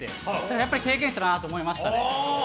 やっぱり経験者だなと思いました。